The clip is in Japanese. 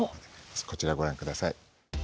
こちらご覧ください。